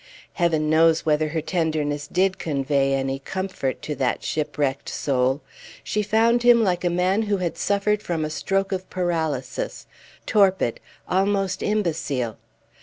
Heaven knows whether her tenderness did convey any comfort to that shipwrecked soul. She found him like a man who had suffered from a stroke of paralysis, torpid, almost imbecile.